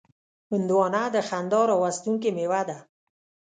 هندوانه د خندا راوستونکې میوه ده.